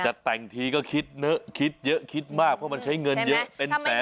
จัดแต่งทีก็คิดเนอะคิดเยอะคิดมากเพราะมันใช้เงินเยอะเป็นแสนเป็นล้านกว่ามี